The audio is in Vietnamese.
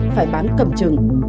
phải bán cầm chừng